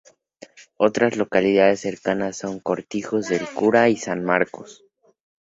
Otras localidades cercanas son Cortijos del Cura y San Marcos.